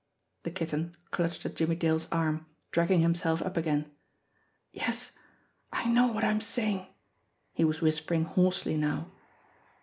The Kitten clutched at Jimmie Dale's arm, dragging him self up again. "Yes, I know wot I'm sayin'." He was whispering hoarsely now.